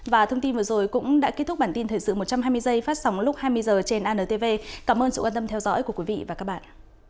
và thông tin vừa rồi cũng đã kết thúc bản tin thời sự một trăm hai mươi giây phát sóng lúc hai mươi h trên antv cảm ơn sự quan tâm theo dõi của quý vị và các bạn